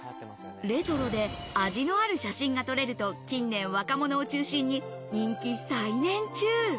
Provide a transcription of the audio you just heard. レトロで味のある写真が撮れると近年若者を中心に人気再燃中。